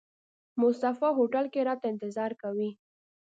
مصطفی هوټل کې راته انتظار کوي.